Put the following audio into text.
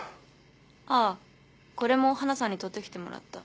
ああこれも花さんに撮ってきてもらった。